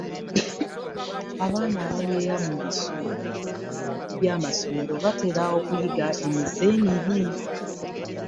Abaana ababeera mu bisulo bya massomero batera okuyiga emizze emibi.